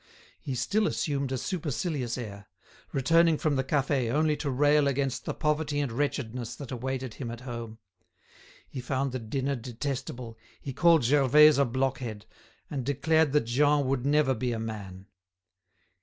He still assumed a supercilious air, returning from the cafe only to rail against the poverty and wretchedness that awaited him at home. He found the dinner detestable, he called Gervaise a blockhead, and declared that Jean would never be a man.